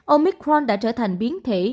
omicron đã trở thành biến thể